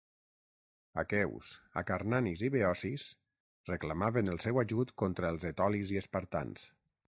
Aqueus, acarnanis i beocis reclamaven el seu ajut contra els etolis i espartans.